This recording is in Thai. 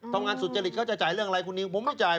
ทำงานสุจริตเขาจะจ่ายเรื่องอะไรคุณนิวผมไม่จ่าย